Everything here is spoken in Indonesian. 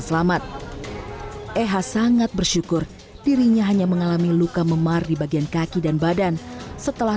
selamat eha sangat bersyukur dirinya hanya mengalami luka memar di bagian kaki dan badan setelah